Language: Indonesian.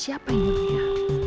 siapa yang mengirimnya